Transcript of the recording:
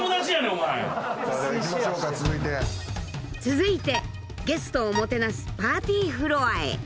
［続いてゲストをもてなすパーティーフロアへ］